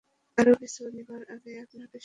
আরও কিছু নেবার আগেই আপনাকে সরিয়ে নিই।